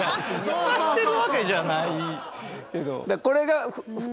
スカしてるわけじゃないけど。